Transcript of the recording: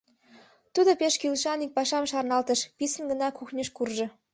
Тудо пеш кӱлешан ик пашам шарналтыш, писын гына кухньыш куржо.